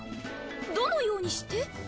どのようにして？